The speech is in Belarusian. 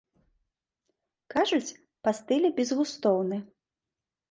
Кажуць, па стылі безгустоўны.